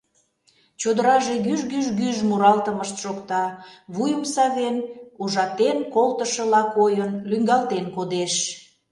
Чодыраже гӱж-гӱж-гӱж муралтымышт шокта, вуйым савен, ужатен колтышыла койын, лӱҥгалтен кодеш.